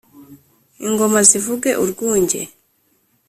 ingoma zivuge urwunge